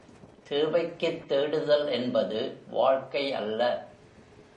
தேவைக்குத் தேடுதல் என்பது வாழ்க்கை யல்ல.